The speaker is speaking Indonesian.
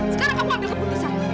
sekarang kamu ambil keputusan